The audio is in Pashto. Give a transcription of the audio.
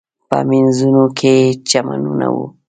په مینځونو کې یې چمنونه و.